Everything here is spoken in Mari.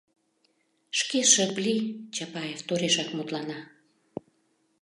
Шке шып лий, — Чапаев торешак мутлана.